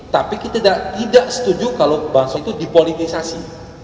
tapi kita tidak setuju kalau bahasa itu dipolitisasi